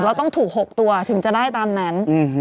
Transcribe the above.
ต้องถูก๖ตัวถึงจะได้ตามนั้น